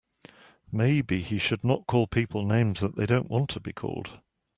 Maybe he should not call people names that they don't want to be called.